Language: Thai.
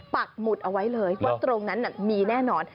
ปักหมุดเอาไว้เลยว่าตรงนั้นมีแน่นอน